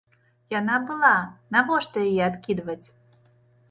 Яна была, навошта яе адкідваць?